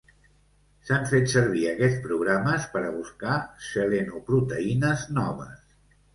S'han fet servir aquests programes per a buscar selenoproteïnes noves.